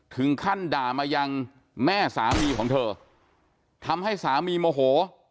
ด่ามายังแม่สามีของเธอทำให้สามีโมโห